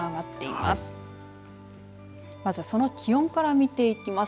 まずはその気温から見ていきます。